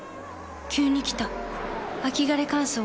急に来た秋枯れ乾燥。